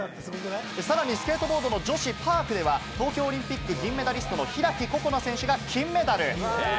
さらにスケートボードの女子パークでは、東京オリンピック・メダリストの開心那選手が銀メダル。